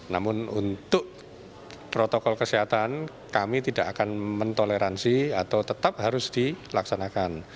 namun untuk protokol kesehatan kami tidak akan mentoleransi atau tetap harus dilaksanakan